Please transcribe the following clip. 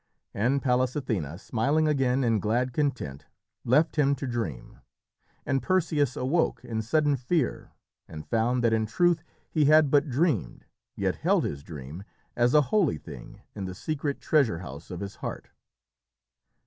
And Pallas Athené, smiling again in glad content, left him to dream, and Perseus awoke, in sudden fear, and found that in truth he had but dreamed, yet held his dream as a holy thing in the secret treasure house of his heart.